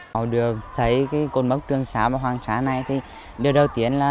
họ được xây cột mốc trường xa và hoàng xa này thì điều đầu tiên là